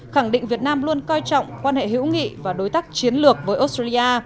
khẳng định việt nam luôn coi trọng quan hệ hữu nghị và đối tác chiến lược với australia